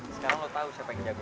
sekarang tahu siapa yang jago